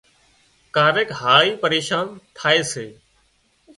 ڪاريڪ هاۯِي پريشان ٿائي سي